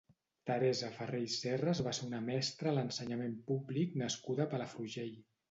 Teresa Ferrer i Serras va ser una mestra a l'ensenyament públic nascuda a Palafrugell.